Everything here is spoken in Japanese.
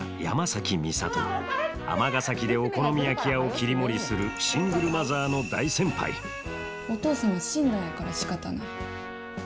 尼崎でお好み焼き屋を切り盛りするシングルマザーの大先輩お父さんは死んだんやからしかたない。